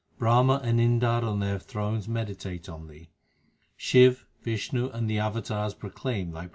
Brahma and Indar on their thrones meditate on Thee. Shiv, Vishnu, and the avatars proclaim Thy praises.